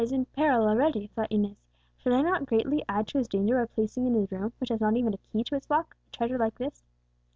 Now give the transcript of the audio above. "Alcala is in peril already," thought Inez; "should I not greatly add to his danger by placing in his room, which has not even a key to its lock, a treasure like this?